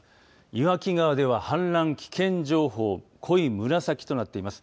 岩木川では氾濫危険情報濃い紫となっています。